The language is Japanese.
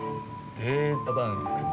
データバンクね。